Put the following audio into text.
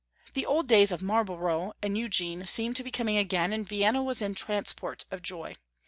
The old days of Marlborough and Eugene seemed to be commg again, and Vienna was in transports of joy.